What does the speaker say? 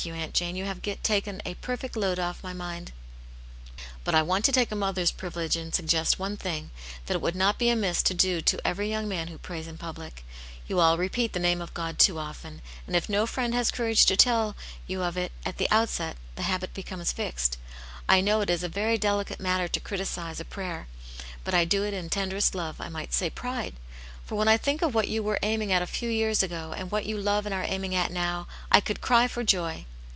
Aunt Jane, you have taken a perfect load off my mind." "But I want to take a mother's privilege and suggest one thing, that it would not be amiss to do to every young man who prays in public. You all te.^^*^ nJcj^ " name of God too often, and U no lx\^ti^\Na.% co^^x^'i^ 133 Aunt Jane's Hero. to tell you of it at the outset, the habit becomes fixed, rkjaow it is a very delicate matter to criticise a prayer, but I do it in tenderest love, I might say pride. For whea I think of what . you were aiming at a few years ago, and what you love and are aiming at now, I could cry for joy."